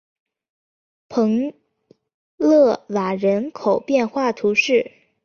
蓬勒瓦人口变化图示